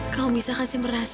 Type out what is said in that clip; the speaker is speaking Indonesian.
kalau bisa kasih berhasil aku